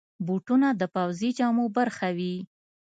بوټونه د پوځي جامو برخه وي.